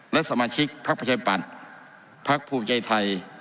และสมาชิกพักประชาปัตย์พักภูมิใจไทย